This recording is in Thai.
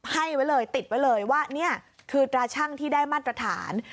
ให้ไว้เลยติดไว้เลยว่านี่คือตราชั่งที่ได้มาตรฐาน